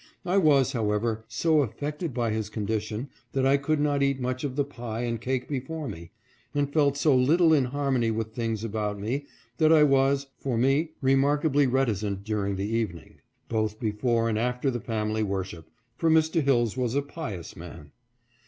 I was, however, so affected by his condition, that I could not eat much of the pie and cake before me, and felt so little in harmony with things about me that I was, for me, remarkably reticent during the evening, both before and after the family worship, for Mr. Hilles was a pious man.